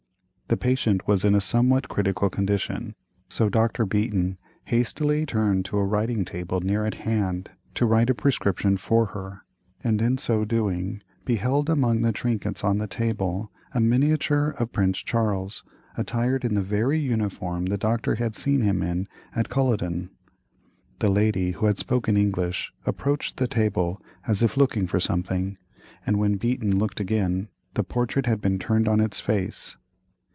The patient was in a somewhat critical condition, so Dr. Beaton hastily turned to a writing table near at hand to write a prescription for her, and in so doing beheld among the trinkets on the table a miniature of Prince Charles, attired in the very uniform the doctor had seen him in at Culloden. The lady who had spoken English approached the table as if looking for something, and when Beaton looked again, the portrait had been turned on its face.